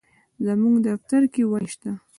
زموږ دفتر کي وني شته.